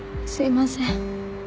すいません。